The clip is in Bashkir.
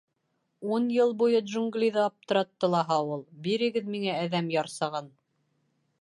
Ун йыл буйы джунглиҙы аптыратты лаһа ул. Бирегеҙ миңә әҙәм ярсығын.